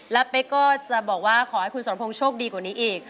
แล้วเป๊กก็จะบอกว่าขอให้คุณสรพงศ์โชคดีกว่านี้อีก